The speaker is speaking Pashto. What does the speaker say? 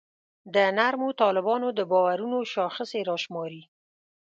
د نرمو طالبانو د باورونو شاخصې راشماري.